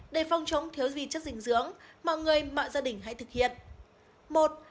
để phong trống thiếu vi chất dinh dưỡng mọi người mọi gia đình hãy thực hiện